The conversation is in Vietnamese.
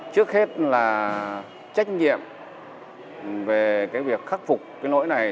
trước hết là trách nhiệm về cái việc khắc phục cái lỗi này